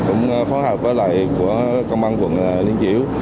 cũng phối hợp với lợi của công an quận liên chiểu